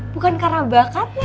bukan karena bakatnya